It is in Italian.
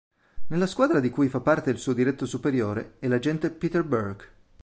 Nella squadra di cui fa parte il suo diretto superiore è l'agente Peter Burke.